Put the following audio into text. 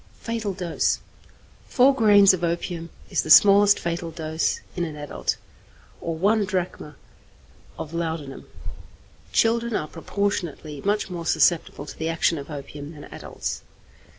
Fatal Dose. Four grains of opium is the smallest fatal dose in an adult, or one drachm of laudanum; children are proportionately much more susceptible to the action of opium than adults.